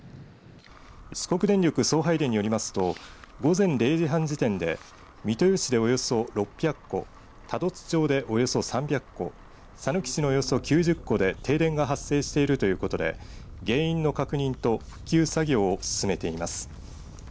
四国電力送配電によりますと午前０時半時点で三豊市でおよそ６００戸多度津町でおよそ３００戸さぬき市のおよそ９０戸で停電が発生しているということで原因の確認と復旧作業を進めています。